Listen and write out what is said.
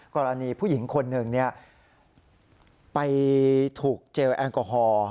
กรณีผู้หญิงคนหนึ่งไปถูกเจลแอลกอฮอล์